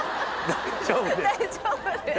大丈夫です。